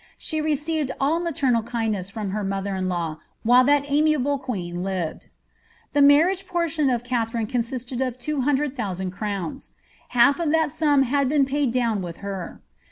She received all maternal kindness from her mother in law, while that amiable queen lived. The marriage portion of Katharine consisted of 200,000 crowns.' Half of that sum had been paid down with her.